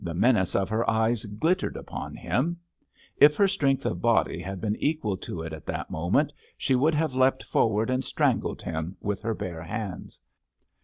The menace of her eyes glittered upon him. If her strength of body had been equal to it at that moment, she would have leapt forward and strangled him with her bare hands.